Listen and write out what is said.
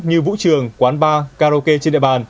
như vũ trường quán bar karaoke trên đại bàn